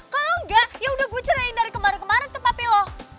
kalo enggak yaudah gue ceraiin dari kemarin kemarin ke papi lo